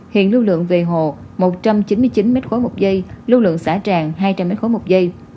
hiện lưu lượng về hồ một trăm chín mươi chín m ba một giây lưu lượng xả tràn hai trăm linh m ba một giây